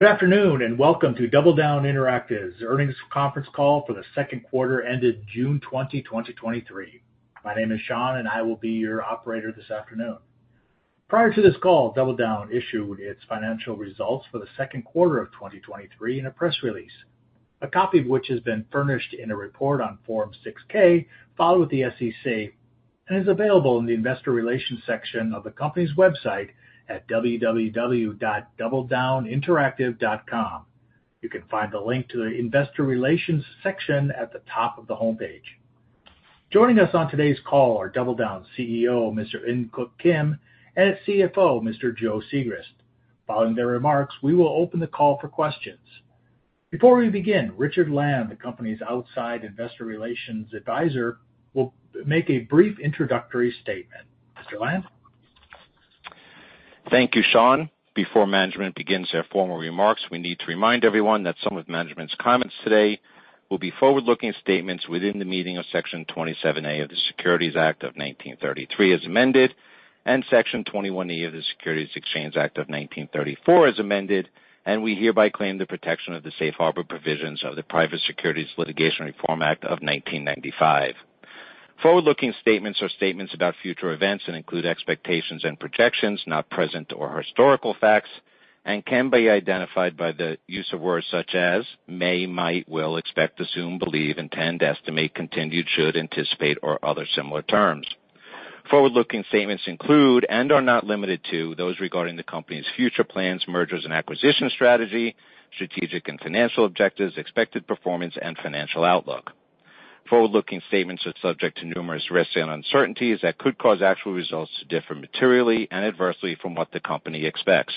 Good afternoon, welcome to DoubleDown Interactive's Earnings Conference Call for the second quarter ended June 20, 2023. My name is Sean, and I will be your operator this afternoon. Prior to this call, DoubleDown issued its financial results for the second quarter of 2023 in a press release, a copy of which has been furnished in a report on Form 6-K, filed with the SEC, and is available in the Investor Relations section of the company's website at www.doubledowninteractive.com. You can find the link to the Investor Relations section at the top of the homepage. Joining us on today's call are DoubleDown's CEO, Mr. In Keuk Kim, and its CFO, Mr. Joe Sigrist. Following their remarks, we will open the call for questions. Before we begin, Richard Land, the company's outside investor relations advisor, will make a brief introductory statement. Mr. Land? Thank you, Sean. Before management begins their formal remarks, we need to remind everyone that some of management's comments today will be forward-looking statements within the meeting of Section 27A of the Securities Act of 1933, as amended, and Section 21E of the Securities Exchange Act of 1934, as amended, and we hereby claim the protection of the safe harbor provisions of the Private Securities Litigation Reform Act of 1995. Forward-looking statements are statements about future events and include expectations and projections, not present or historical facts, and can be identified by the use of words such as may, might, will, expect, assume, believe, intend, estimate, continued, should, anticipate, or other similar terms. Forward-looking statements include, and are not limited to, those regarding the company's future plans, mergers and acquisition strategy, strategic and financial objectives, expected performance, and financial outlook. Forward-looking statements are subject to numerous risks and uncertainties that could cause actual results to differ materially and adversely from what the company expects.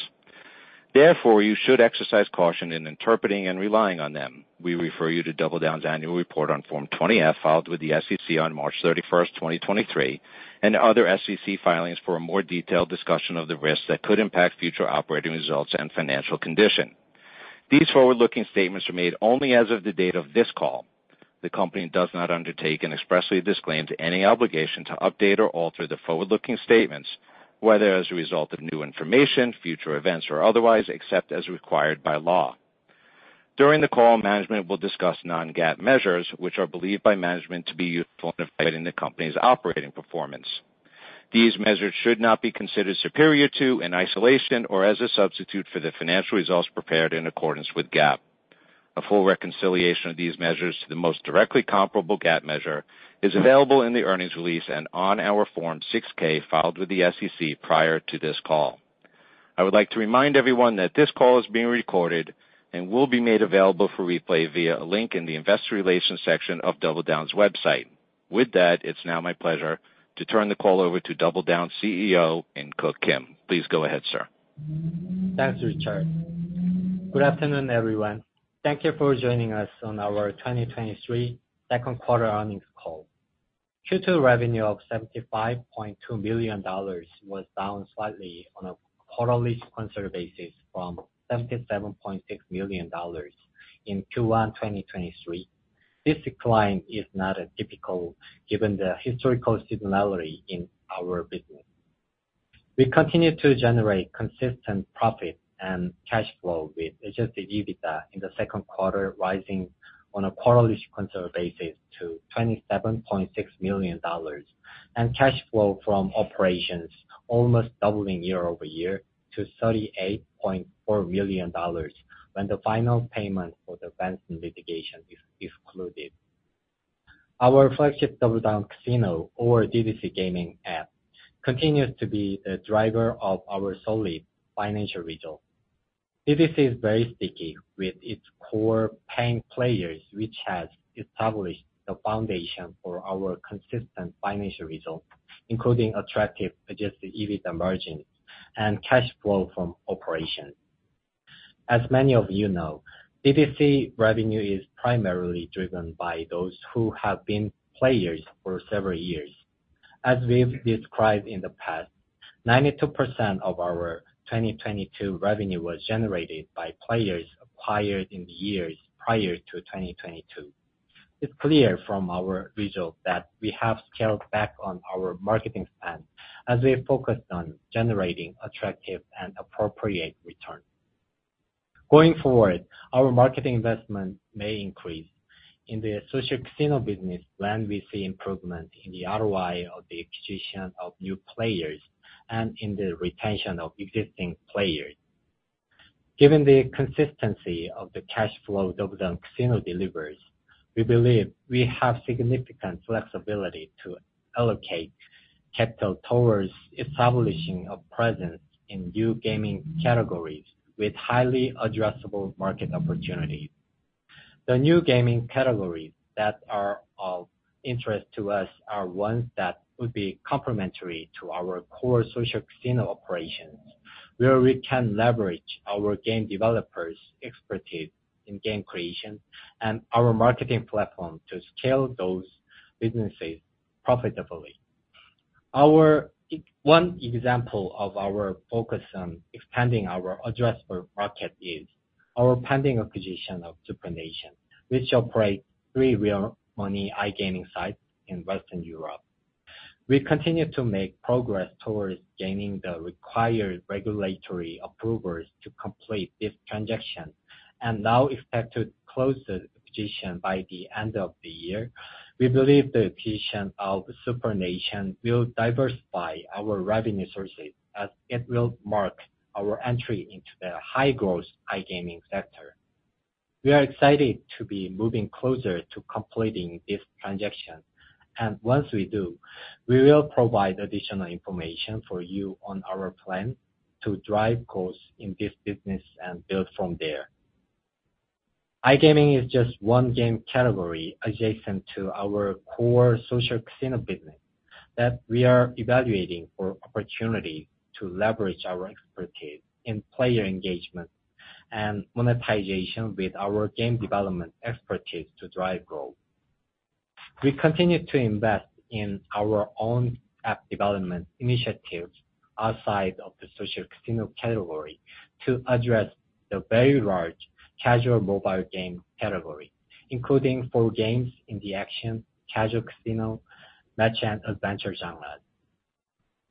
Therefore, you should exercise caution in interpreting and relying on them. We refer you to DoubleDown Interactive's annual report on Form 20-F, filed with the SEC on March 31, 2023, and other SEC filings for a more detailed discussion of the risks that could impact future operating results and financial condition. These forward-looking statements are made only as of the date of this call. The company does not undertake and expressly disclaims any obligation to update or alter the forward-looking statements, whether as a result of new information, future events, or otherwise, except as required by law. During the call, management will discuss non-GAAP measures, which are believed by management to be useful in evaluating the company's operating performance. These measures should not be considered superior to, in isolation, or as a substitute for the financial results prepared in accordance with GAAP. A full reconciliation of these measures to the most directly comparable GAAP measure is available in the earnings release and on our Form 6-K, filed with the SEC prior to this call. I would like to remind everyone that this call is being recorded and will be made available for replay via a link in the Investor Relations section of DoubleDown's website. With that, it's now my pleasure to turn the call over to DoubleDown's CEO, In Keuk Kim. Please go ahead, sir. Thanks, Richard. Good afternoon, everyone. Thank you for joining us on our 2023 second quarter earnings call. Q2 revenue of $75.2 million was down slightly on a quarterly sequential basis from $77.6 million in Q1, 2023. This decline is not atypical, given the historical seasonality in our business. We continue to generate consistent profit and cash flow, with Adjusted EBITDA in the second quarter, rising on a quarterly sequential basis to $27.6 million, and cash flow from operations almost doubling year-over-year to $38.4 million, when the final payment for the Benson litigation is excluded. Our flagship DoubleDown Casino or DDC gaming app continues to be the driver of our solid financial results. DDC is very sticky with its core paying players, which has established the foundation for our consistent financial results, including attractive Adjusted EBITDA margins and cash flow from operations. As many of you know, DDC revenue is primarily driven by those who have been players for several years. As we've described in the past, 92% of our 2022 revenue was generated by players acquired in the years prior to 2022. It's clear from our results that we have scaled back on our marketing spend as we focused on generating attractive and appropriate returns. Going forward, our marketing investment may increase in the social casino business when we see improvement in the ROI of the acquisition of new players and in the retention of existing players. Given the consistency of the cash flow DoubleDown Casino delivers, we believe we have significant flexibility to allocate capital towards establishing a presence in new gaming categories with highly addressable market opportunities. The new gaming categories that are of interest to us are ones that would be complementary to our core social casino operations, where we can leverage our game developers' expertise in game creation and our marketing platform to scale those businesses profitably. One example of our focus on expanding our addressable market is our pending acquisition of SuprNation, which operates three real money iGaming sites in Western Europe. We continue to make progress towards gaining the required regulatory approvals to complete this transaction, and now expect to close the acquisition by the end of the year. We believe the acquisition of SuprNation will diversify our revenue sources, as it will mark our entry into the high-growth iGaming sector. We are excited to be moving closer to completing this transaction. Once we do, we will provide additional information for you on our plan to drive growth in this business and build from there. iGaming is just one game category adjacent to our core social casino business that we are evaluating for opportunity to leverage our expertise in player engagement and monetization with our game development expertise to drive growth. We continue to invest in our own app development initiatives outside of the social casino category to address the very large casual mobile game category, including four games in the action, casual casino, match, and adventure genres.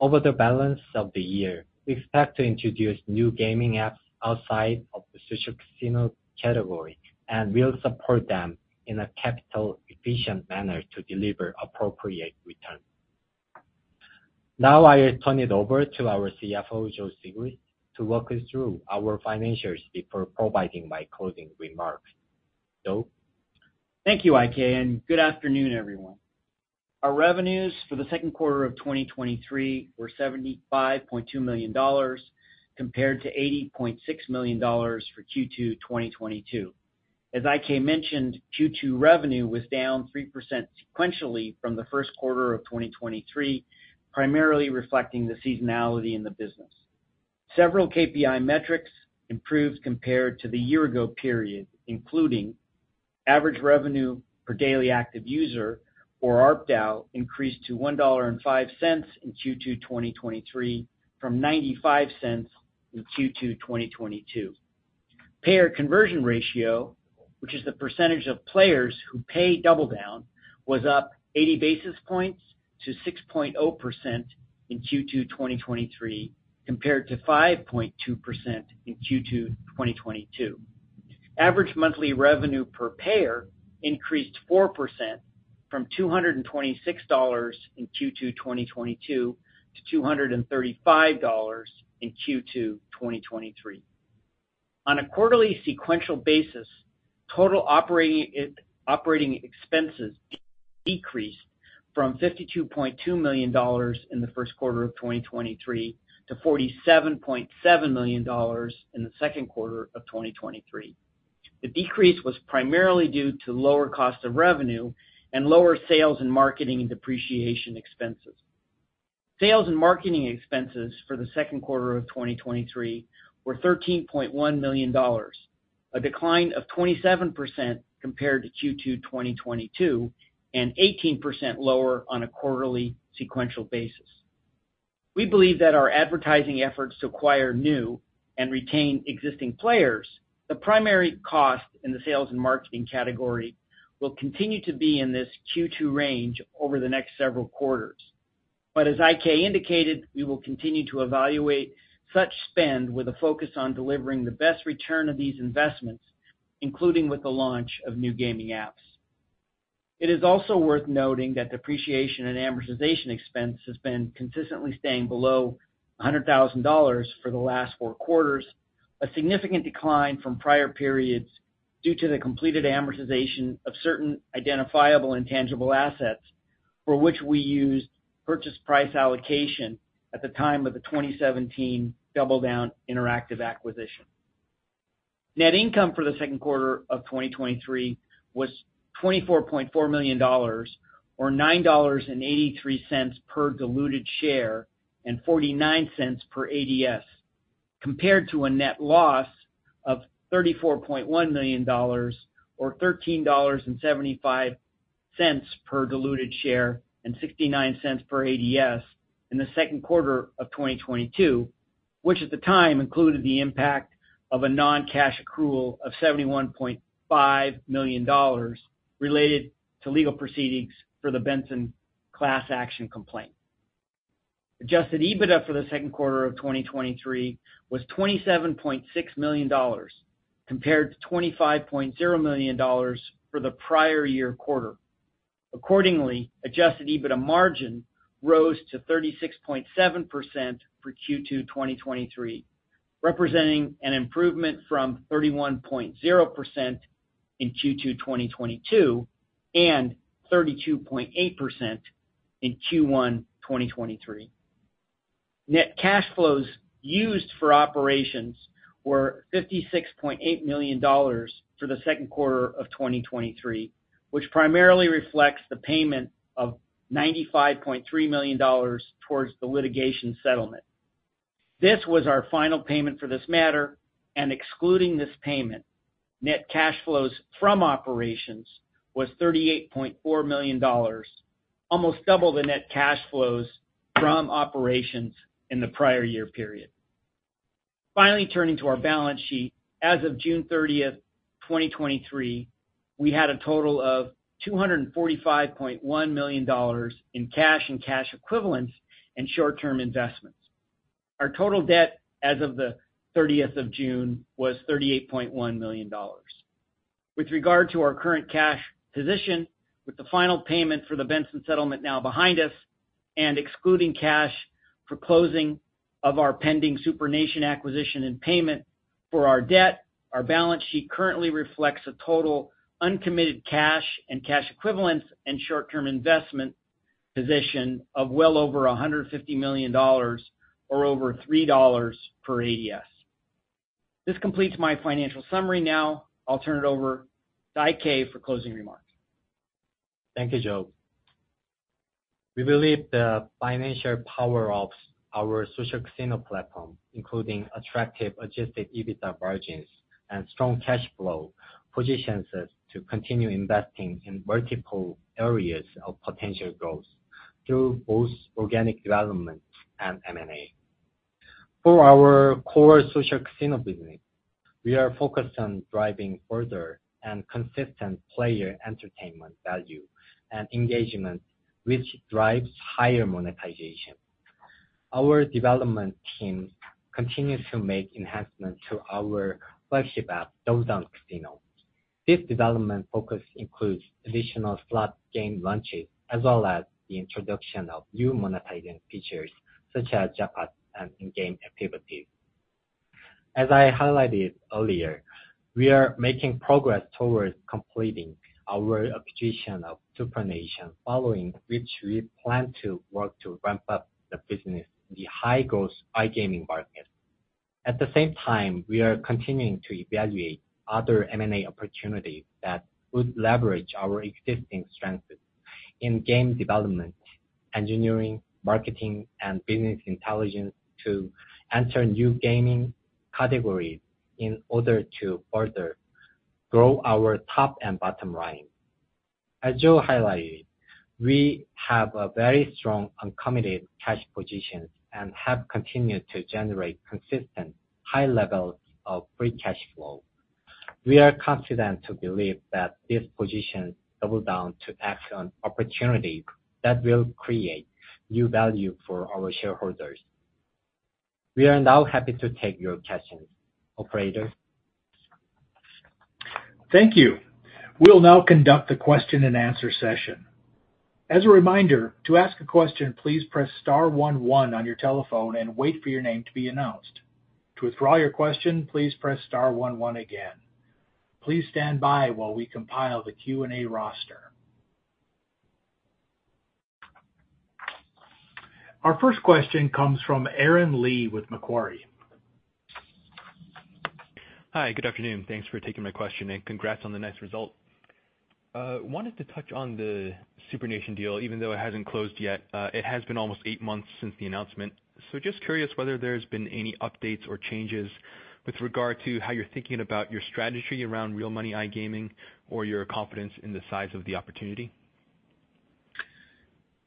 Over the balance of the year, we expect to introduce new gaming apps outside of the social casino category, and we'll support them in a capital-efficient manner to deliver appropriate return. Now I will turn it over to our CFO, Joe Sigrist, to walk us through our financials before providing my closing remarks. Joe? Thank you, IK. Good afternoon, everyone. Our revenues for the second quarter of 2023 were $75.2 million, compared to $80.6 million for Q2 2022. As IK mentioned, Q2 revenue was down 3% sequentially from the first quarter of 2023, primarily reflecting the seasonality in the business. Several KPI metrics improved compared to the year-ago period, including average revenue per daily active user, or ARPDAU, increased to $1.05 in Q2 2023, from $0.95 in Q2 2022. Payer conversion ratio, which is the percentage of players who pay DoubleDown, was up 80 basis points to 6.0% in Q2 2023, compared to 5.2% in Q2 2022. Average monthly revenue per payer increased 4% from $226 in Q2 2022 to $235 in Q2 2023. On a quarterly sequential basis, total operating operating expenses decreased from $52.2 million in the first quarter of 2023 to $47.7 million in the second quarter of 2023. The decrease was primarily due to lower cost of revenue and lower sales and marketing and depreciation expenses. Sales and marketing expenses for the second quarter of 2023 were $13.1 million, a decline of 27% compared to Q2 2022, and 18% lower on a quarterly sequential basis. We believe that our advertising efforts to acquire new and retain existing players, the primary cost in the sales and marketing category, will continue to be in this Q2 range over the next several quarters. As IK indicated, we will continue to evaluate such spend with a focus on delivering the best return of these investments, including with the launch of new gaming apps. It is also worth noting that depreciation and amortization expense has been consistently staying below $100,000 for the last four quarters, a significant decline from prior periods due to the completed amortization of certain identifiable and tangible assets, for which we used purchase price allocation at the time of the 2017 DoubleDown Interactive acquisition. Net income for the second quarter of 2023 was $24.4 million, or $9.83 per diluted share, and $0.49 per ADS, compared to a net loss of $34.1 million, or $13.75 per diluted share, and $0.69 per ADS in the second quarter of 2022, which at the time included the impact of a non-cash accrual of $71.5 million related to legal proceedings for the Benson class action complaint. Adjusted EBITDA for the second quarter of 2023 was $27.6 million, compared to $25.0 million for the prior year quarter. Accordingly, Adjusted EBITDA margin rose to 36.7% for Q2 2023, representing an improvement from 31.0% in Q2 2022, and 32.8% in Q1 2023. Net cash flows used for operations were $56.8 million for the second quarter of 2023, which primarily reflects the payment of $95.3 million towards the litigation settlement. This was our final payment for this matter. Excluding this payment, net cash flows from operations was $38.4 million, almost double the net cash flows from operations in the prior year period. Finally, turning to our balance sheet. As of June 30, 2023, we had a total of $245.1 million in cash and cash equivalents and short-term investments. Our total debt as of the 30th of June was $38.1 million. With regard to our current cash position, with the final payment for the Benson settlement now behind us and excluding cash for closing of our pending SuprNation acquisition and payment for our debt, our balance sheet currently reflects a total uncommitted cash and cash equivalents and short-term investment position of well over $150 million, or over $3 per ADS. This completes my financial summary. Now I'll turn it over to IK for closing remarks. Thank you, Joe. We believe the financial power of our social casino platform, including attractive Adjusted EBITDA margins and strong cash flow, positions us to continue investing in multiple areas of potential growth through both organic development and M&A. For our core social casino business, we are focused on driving further and consistent player entertainment value and engagement, which drives higher monetization. Our development team continues to make enhancements to our flagship app, DoubleDown Casino. This development focus includes additional slot game launches, as well as the introduction of new monetizing features such as jackpots and in-game activities. As I highlighted earlier, we are making progress towards completing our acquisition of SuprNation, following which we plan to work to ramp up the business in the high-growth iGaming market. At the same time, we are continuing to evaluate other M&A opportunities that would leverage our existing strengths in game development, engineering, marketing, and business intelligence to enter new gaming categories in order to further grow our top and bottom line. As Joe highlighted, we have a very strong uncommitted cash position and have continued to generate consistent high levels of free cash flow. We are confident to believe that this position DoubleDown to act on opportunities that will create new value for our shareholders. We are now happy to take your questions. Operator? Thank you. We'll now conduct the question-and-answer session. As a reminder, to ask a question, please press star one, one on your telephone and wait for your name to be announced. To withdraw your question, please press star one, one again. Please stand by while we compile the Q&A roster. Our first question comes from Aaron Lee with Macquarie. Hi, good afternoon. Thanks for taking my question. Congrats on the nice result. Wanted to touch on the SuprNation deal. Even though it hasn't closed yet, it has been almost eight months since the announcement. Just curious whether there's been any updates or changes with regard to how you're thinking about your strategy around real money iGaming or your confidence in the size of the opportunity?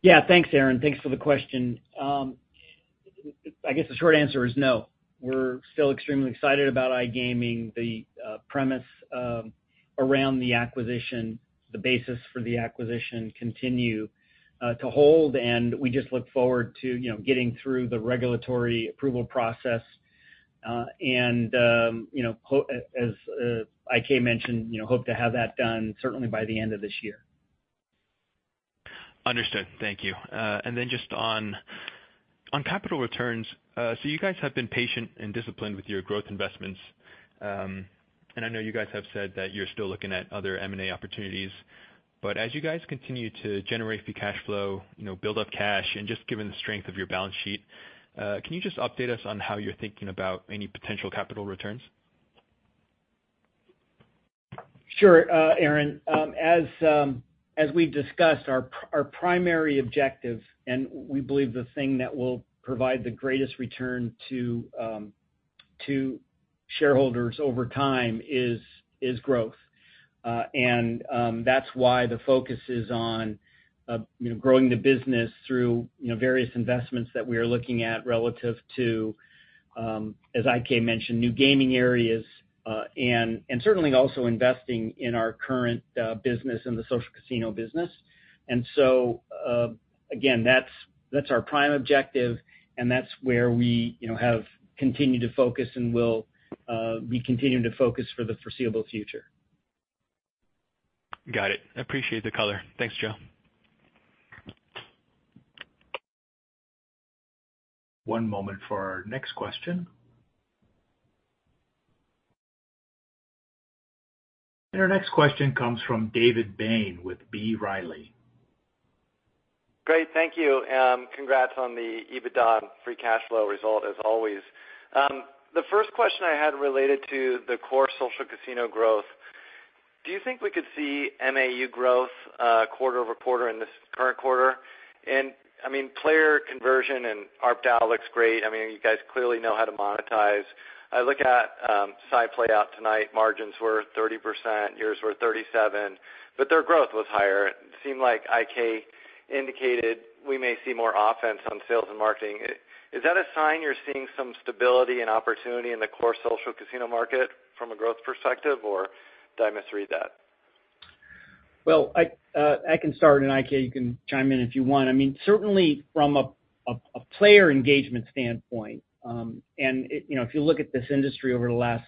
Yeah, thanks, Aaron. Thanks for the question. I guess the short answer is no. We're still extremely excited about iGaming. The premise around the acquisition, the basis for the acquisition continue to hold, and we just look forward to, you know, getting through the regulatory approval process. You know, as IK mentioned, you know, hope to have that done certainly by the end of this year. Understood. Thank you. Then just on, on capital returns, you guys have been patient and disciplined with your growth investments, and I know you guys have said that you're still looking at other M&A opportunities. As you guys continue to generate the cash flow, you know, build up cash, and just given the strength of your balance sheet, can you just update us on how you're thinking about any potential capital returns? Sure, Aaron. As we've discussed, our primary objective, and we believe the thing that will provide the greatest return to shareholders over time is, is growth. That's why the focus is on, you know, growing the business through, you know, various investments that we are looking at relative to, as IK mentioned, new gaming areas, and certainly also investing in our current business, in the social casino business. Again, that's, that's our prime objective, and that's where we, you know, have continued to focus and will be continuing to focus for the foreseeable future. Got it. I appreciate the color. Thanks, Joe. One moment for our next question. Our next question comes from David Bain with B. Riley. Great, thank you, and congrats on the EBITDA and free cash flow result, as always. The first question I had related to the core social casino growth. Do you think we could see MAU growth, quarter-over-quarter in this current quarter? I mean, player conversion and ARPDAU looks great. I mean, you guys clearly know how to monetize. I look at SciPlay out tonight, margins were 30%, yours were 37%, but their growth was higher. It seemed like IK indicated we may see more offense on sales and marketing. Is that a sign you're seeing some stability and opportunity in the core social casino market from a growth perspective, or did I misread that? Well, I can start, and IK, you can chime in if you want. I mean, certainly from a, a, a player engagement standpoint, and it, you know, if you look at this industry over the last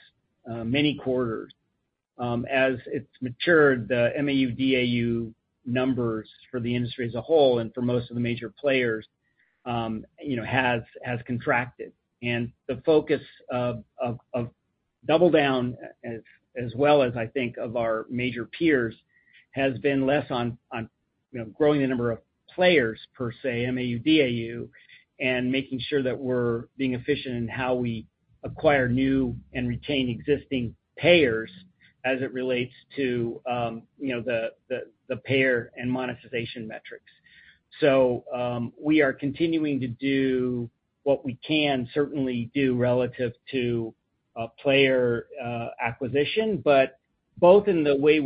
many quarters, as it's matured, the MAU, DAU numbers for the industry as a whole and for most of the major players, you know, has, has contracted. The focus of, of DoubleDown, as, as well as I think of our major peers, has been less on, you know, growing the number of players per se, MAU, DAU, and making sure that we're being efficient in how we acquire new and retain existing payers as it relates to, you know, the payer and monetization metrics. We are continuing to do what we can certainly do relative to player acquisition, but both in the way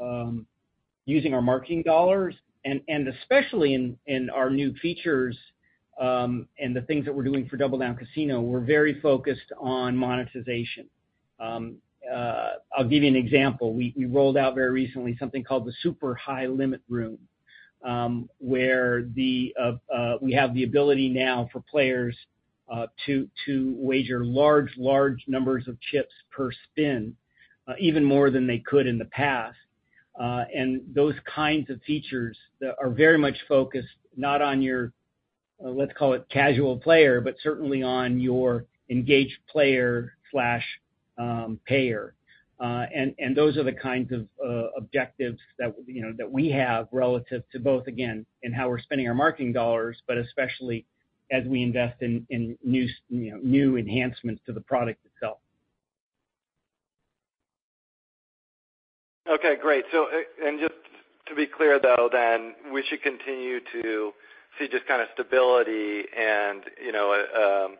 we're using our marketing dollars and especially in our new features and the things that we're doing for DoubleDown Casino, we're very focused on monetization. I'll give you an example. We rolled out very recently something called the Super High Limit Room, where we have the ability now for players to wager large numbers of chips per spin, even more than they could in the past. Those kinds of features that are very much focused not on your, let's call it casual player, but certainly on your engaged player/payer. And those are the kinds of objectives that, you know, that we have relative to both, again, in how we're spending our marketing dollars, but especially as we invest i new enhancements to the product itself. Okay, great. Just to be clear, though, then, we should continue to see just kind of stability and, you know,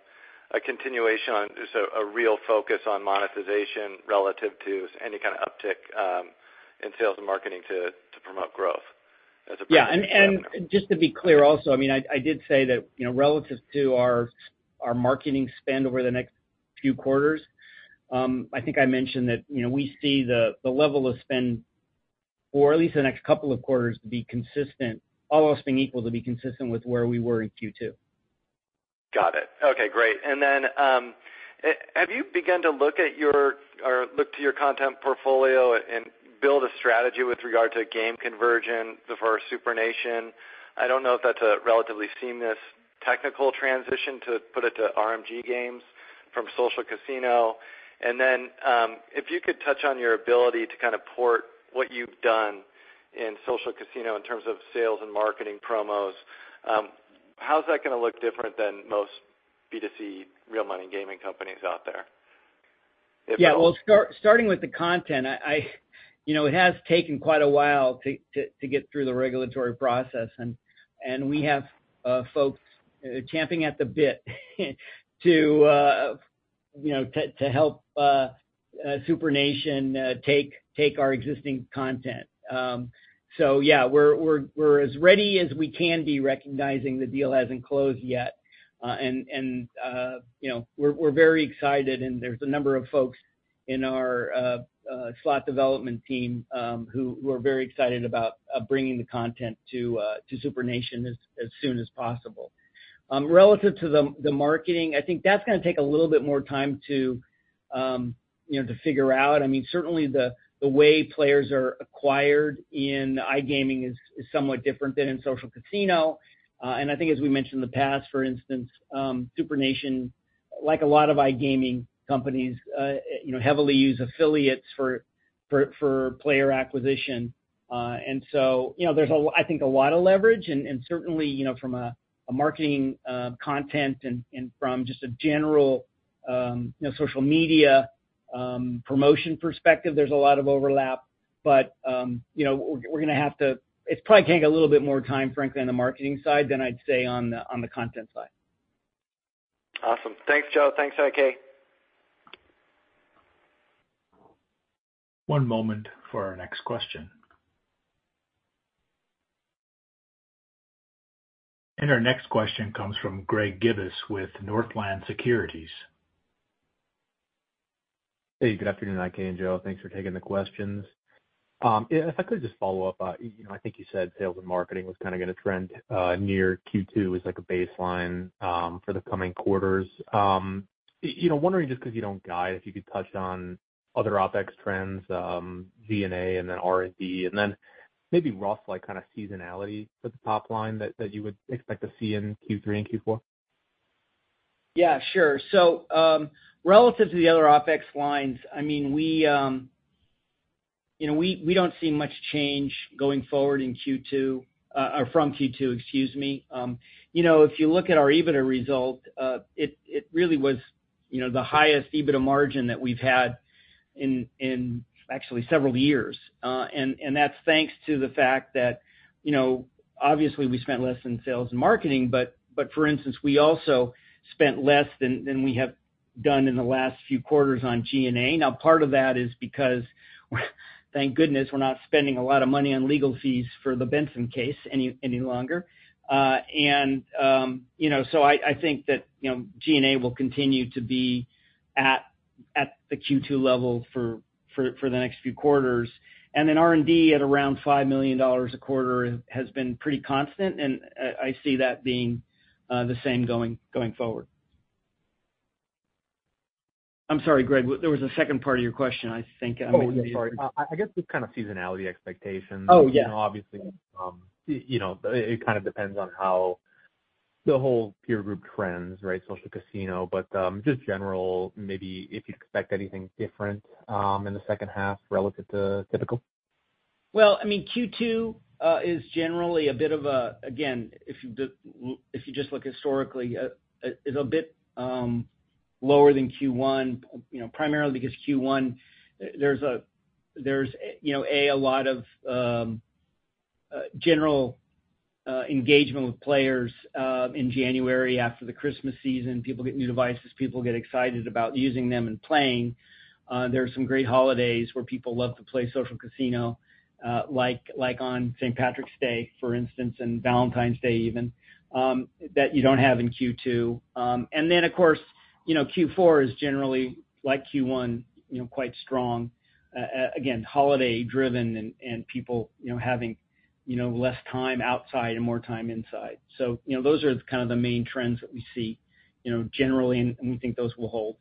a continuation on just a, a real focus on monetization relative to any kind of uptick in sales and marketing to, to promote growth as opposed to... Yeah, just to be clear also, I mean, I did say that, you know, relative to our, our marketing spend over the next few quarters, I think I mentioned that, you know, we see the level of spend for at least the next couple of quarters to be consistent, all else being equal, to be consistent with where we were in Q2. Got it. Okay, great. Then, have you begun to look at your... or look to your content portfolio and build a strategy with regard to game conversion for SuprNation? I don't know if that's a relatively seamless technical transition to put it to RMG games from social casino. Then, if you could touch on your ability to kind of port what you've done in social casino in terms of sales and marketing promos, how's that gonna look different than most B2C real money gaming companies out there? If at all. Yeah, well, starting with the content I, you know, it has taken quite a while to, to, to get through the regulatory process, and, and we have folks champing at the bit, to, you know, to help SuprNation take, take our existing content. Yeah, we're as ready as we can be, recognizing the deal hasn't closed yet. You know, we're, we're very excited, and there's a number of folks in our slot development team, who, who are very excited about bringing the content to SuprNation as soon as possible. Relative to the, the marketing, I think that's gonna take a little bit more time to, you know, to figure out. I mean, certainly the way players are acquired in iGaming is, is somewhat different than in social casino. I think as we mentioned in the past, for instance, SuprNation, like a lot of iGaming companies, you know, heavily use affiliates for player acquisition. You know, there's, I think, a lot of leverage and certainly, you know, from a, a marketing, content and, and from just a general, you know, social media, promotion perspective, there's a lot of overlap. You know, we're gonna have to. It's probably gonna take a little bit more time, frankly, on the marketing side than I'd say on the, on the content side. Awesome. Thanks, Joe. Thanks, IK. One moment for our next question. Our next question comes from Greg Gibas with Northland Securities. Hey, good afternoon, IK and Joe. Thanks for taking the questions. If I could just follow up, you know, I think you said sales and marketing was kind of gonna trend near Q2 as, like, a baseline for the coming quarters. You know, wondering, just because you don't guide, if you could touch on other OpEx trends, G&A and then R&D, and then maybe rough, like kind of seasonality for the top line that, that you would expect to see in Q3 and Q4? Yeah, sure. Relative to the other OpEx lines, I mean, we, you know, we don't see much change going forward in Q2 or from Q2, excuse me. You know, if you look at our EBITDA result, it really was, you know, the highest EBITDA margin that we've had in, in actually several years. And that's thanks to the fact that, you know, obviously, we spent less in sales and marketing, but for instance, we also spent less than we have done in the last few quarters on G&A. Part of that is because, thank goodness, we're not spending a lot of money on legal fees for the Benson case any longer. You know, I think that, you know, G&A will continue to be at the Q2 level for the next few quarters. Then R&D at around $5 million a quarter has been pretty constant, and I see that being the same going, going forward. I'm sorry, Greg, there was a second part of your question, I think. Oh, sorry. I, I guess just kind of seasonality expectations. Oh, yeah. You know, obviously, you know, it, it kind of depends on how the whole peer group trends, right? Social casino, but, just general, maybe if you'd expect anything different, in the second half relative to typical? Well, I mean, Q2 is generally a bit of a. Again, if you if you just look historically, is a bit lower than Q1, you know, primarily because Q1, there's, you know, A, a lot of general engagement with players in January after the Christmas season. People get new devices, people get excited about using them and playing. There are some great holidays where people love to play social casino, like, like on St. Patrick's Day, for instance, and Valentine's Day even, that you don't have in Q2. Then, of course, you know, Q4 is generally, like Q1, you know, quite strong. Again, holiday driven and, and people, you know, having, you know, less time outside and more time inside. You know, those are kind of the main trends that we see, you know, generally, and we think those will hold.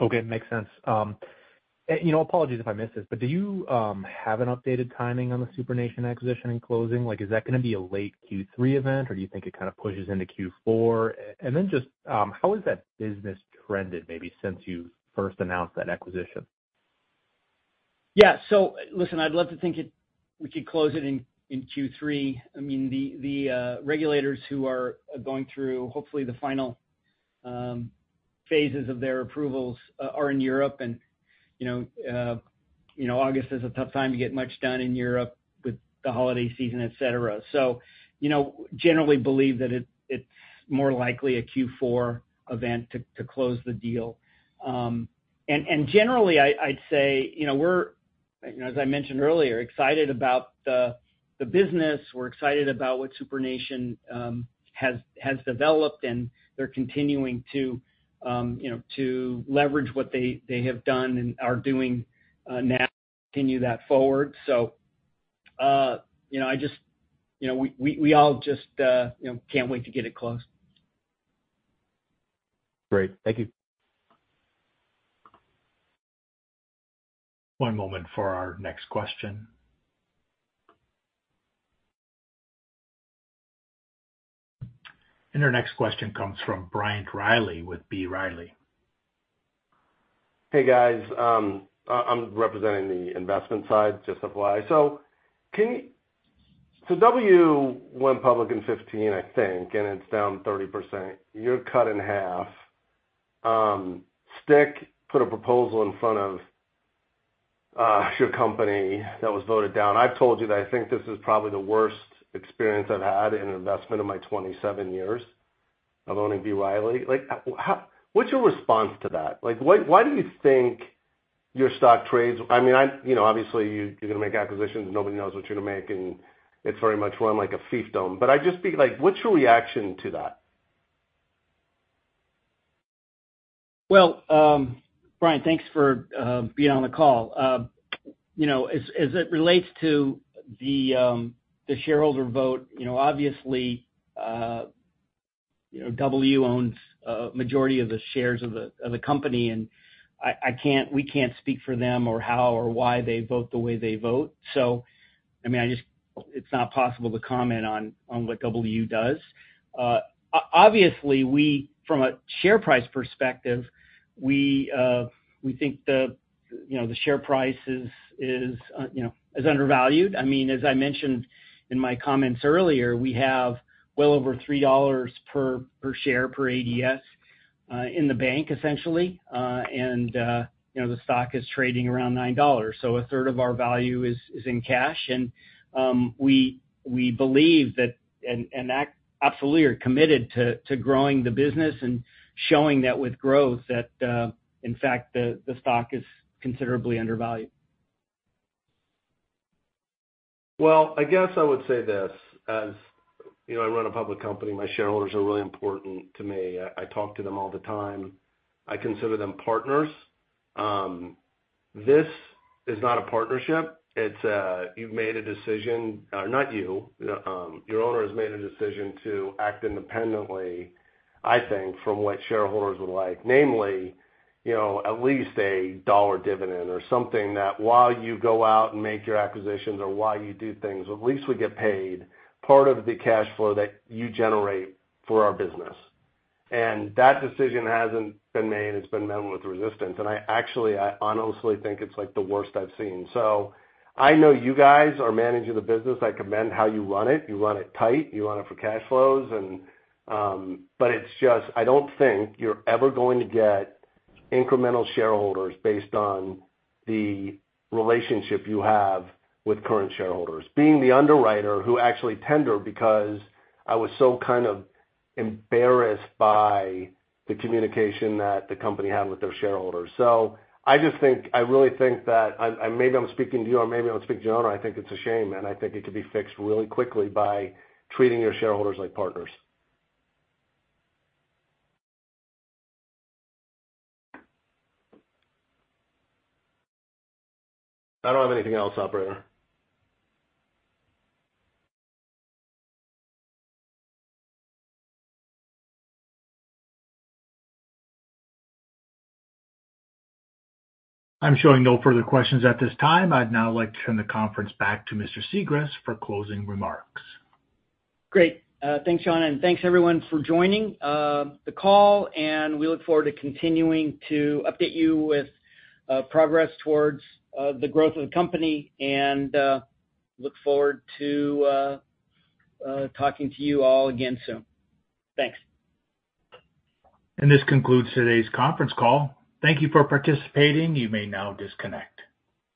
Okay, makes sense. You know, apologies if I missed this, but do you have an updated timing on the SuprNation acquisition and closing? Like, is that gonna be a late Q3 event, or do you think it kind of pushes into Q4? Then just, how has that business trended maybe since you first announced that acquisition? Yeah. Listen, I'd love to think we could close it in Q3. I mean, the regulators who are going through, hopefully the final phases of their approvals, are in Europe and, you know, August is a tough time to get much done in Europe with the holiday season, et cetera. You know, generally believe that it's more likely a Q4 event to close the deal. Generally, I'd say, you know, we're, you know, as I mentioned earlier, excited about the business. We're excited about what SuprNation has developed, and they're continuing to, you know, leverage what they have done and are doing now, continue that forward. You know, I just, you know, we all just, you know, can't wait to get it closed. Great. Thank you. One moment for our next question. Our next question comes from Bryant Riley with B. Riley. Hey, guys, I'm representing the investment side, just FYI. W went public in 2015, I think, and it's down 30%. You're cut in half. STIC put a proposal in front of your company that was voted down. I've told you that I think this is probably the worst experience I've had in an investment in my 27 years of owning B. Riley. Like, what's your response to that? Like why do you think your stock trades... I mean, I, you know, obviously, you're gonna make acquisitions, and nobody knows what you're gonna make, and it's very much run like a fiefdom. I'd just be like, what's your reaction to that? Well, Bryant, thanks for being on the call. You know, as, as it relates to the shareholder vote, you know, obviously, you know, W owns a majority of the shares of the company, and I can't, we can't speak for them or how or why they vote the way they vote. I mean, it's not possible to comment on what W does. Obviously, we from a share price perspective, we think the, you know, the share price is, is, you know, is undervalued. I mean, as I mentioned in my comments earlier, we have well over $3 per, per share, per ADS in the bank, essentially. You know, the stock is trading around $9, so a third of our value is in cash. We, we believe that and absolutely are committed to, to growing the business and showing that with growth, that, in fact, the, the stock is considerably undervalued. Well, I guess I would say this: as you know, I run a public company, my shareholders are really important to me. I, I talk to them all the time. I consider them partners. This is not a partnership. It's a, you've made a decision, not you, your owner has made a decision to act independently, I think, from what shareholders would like. Namely, you know, at least a $1 dividend or something that, while you go out and make your acquisitions or while you do things, at least we get paid part of the cash flow that you generate for our business. That decision hasn't been made, it's been met with resistance, and I actually, I honestly think it's, like, the worst I've seen. I know you guys are managing the business. I commend how you run it. You run it tight, you run it for cash flows, it's just, I don't think you're ever going to get incremental shareholders based on the relationship you have with current shareholders. Being the underwriter who actually tender because I was so kind of embarrassed by the communication that the company had with their shareholders. I just think, I really think that, maybe I'm speaking to you or maybe I'm speaking to your owner, I think it's a shame, I think it could be fixed really quickly by treating your shareholders like partners. I don't have anything else, operator. I'm showing no further questions at this time. I'd now like to turn the conference back to Mr. Sigrist for closing remarks. Great. Thanks, Sean, and thanks, everyone, for joining the call. We look forward to continuing to update you with progress towards the growth of the company. Look forward to talking to you all again soon. Thanks. This concludes today's conference call. Thank you for participating. You may now disconnect.